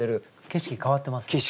景色変わってますかね？